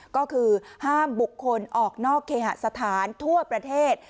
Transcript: ก็คือห้ามบุคคลออกนอกเคหสถานทั่วประเทศ